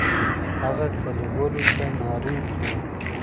هغه کلیوالو ته نارې کړې.